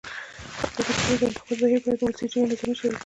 ازادي راډیو د د انتخاباتو بهیر په اړه د ولسي جرګې نظرونه شریک کړي.